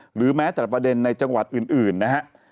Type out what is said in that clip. หรือแม้แต่ประเด็นในจังหวัดอื่นนะฮะ